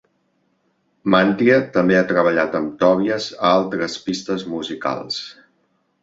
Mantia també ha treballat amb Tobias a altres pistes musicals.